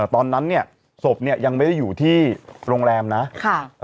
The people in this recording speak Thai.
ตอนนั้นเนี่ยศพเนี่ยยังไม่ได้อยู่ที่โรงแรมนะ